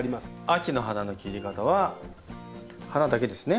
秋の花の切り方は花だけですね？